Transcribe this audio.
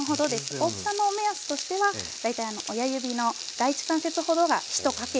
大きさの目安としては大体親指の第１関節ほどが１かけになります。